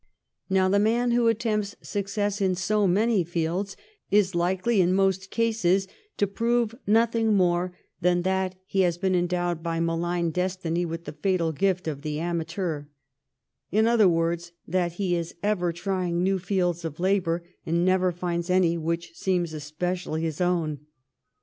Now, the man who attempts success in so many fields is likely in most cases to prove nothing more than that he has been endowed by malign destiny with the fatal gift of the amateur — in other words, that he is ever trying new fields of labour and never finds any which seems especially his own.